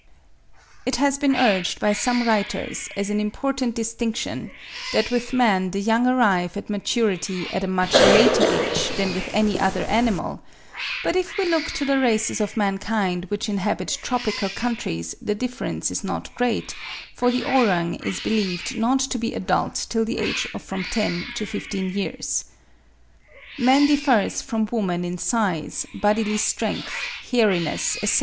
It has been urged by some writers, as an important distinction, that with man the young arrive at maturity at a much later age than with any other animal: but if we look to the races of mankind which inhabit tropical countries the difference is not great, for the orang is believed not to be adult till the age of from ten to fifteen years. (13. Huxley, 'Man's Place in Nature,' 1863, p. 34.) Man differs from woman in size, bodily strength, hairiness, etc.